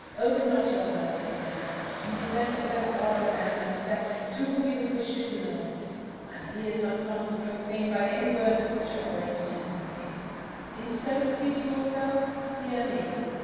Open not your mouth, young man, in defence of the God abandoned set to whom you would wish to belong: my ears must not be profaned by any words of such abhorrent tendency. Instead of speaking yourself, hear me.